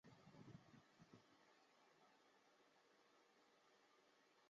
接着戴维斯号主要留在大西洋训练及作中立巡航。